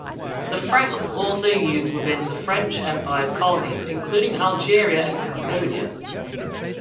The franc was also used within the French Empire's colonies, including Algeria and Cambodia.